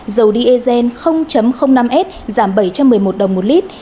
dầu diezen năm s giảm bảy trăm một mươi một đồng một lit